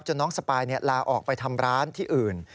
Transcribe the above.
น้องสปายลาออกไปทำร้านที่อื่น